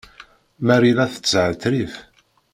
Marie la teshetrif!